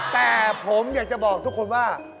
แต่ผมอยากจะบอกทุกคนว่า